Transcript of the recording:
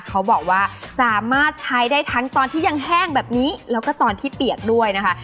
เขาบอกว่าสามารถใช้ได้ทั้งตอนที่ยังแห้งแบบนี้แล้วก็ตอนที่เปียกด้วยนะคะ